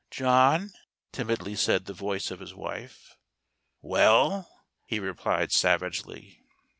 " John," timidly said the voice of his wife. " Well? " he replied savagely.